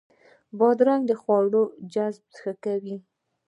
بادرنګ د خوړو جذب ښه کوي.